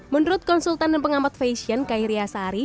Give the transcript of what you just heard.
menurut konsultan dan pengamat fashion kay ria sari